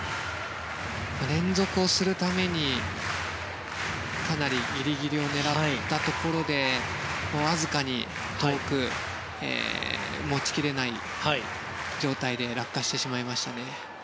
連続をするためにかなりギリギリを狙ったところでわずかに遠く持ちきれない状態で落下してしまいましたね。